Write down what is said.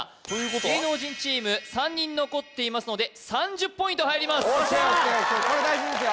芸能人チーム３人残っていますので３０ポイント入りますおっしゃ！